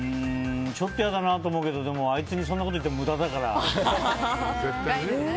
ちょっと嫌だなと思うけどでもあいつにそんなこと言っても無駄だから。